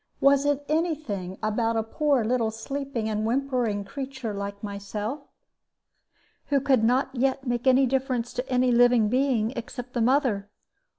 Was it any thing about a poor little sleeping and whimpering creature like myself, who could not yet make any difference to any living being except the mother?